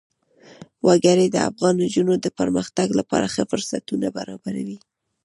وګړي د افغان نجونو د پرمختګ لپاره ښه فرصتونه برابروي.